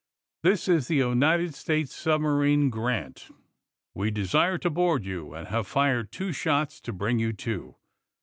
"This is the United States Submarine 'Grant.' W^e de sire to board you, and have fired two shots to bring you to.